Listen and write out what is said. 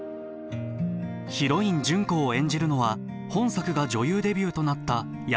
ヒロイン純子を演じるのは本作が女優デビューとなった山口智子。